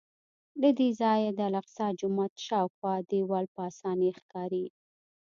له دې ځایه د الاقصی جومات شاوخوا دیوال په اسانۍ ښکاري.